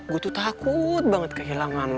gue tuh takut banget kehilangan